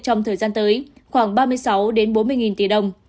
trong thời gian tới khoảng ba mươi sáu bốn mươi tỷ đồng